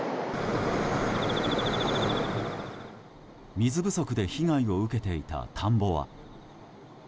水不足で被害を受けていた田んぼは。